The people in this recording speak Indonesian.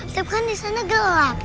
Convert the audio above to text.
tapi kan di sana gelap